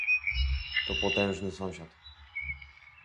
To potężny sąsiad